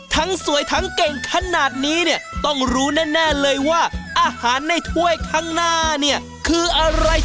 ทั้งสวยทั้งเก่งขนาดนี้เนี่ยต้องรู้แน่เลยว่าอาหารในถ้วยข้างหน้าเนี่ยคืออะไร